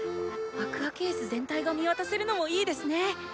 アクアケース全体が見渡せるのもいいですね！